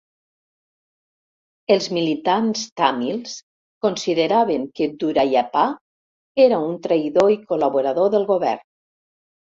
Els militants tàmils consideraven que Duraiappah era un traïdor i col·laborador del govern.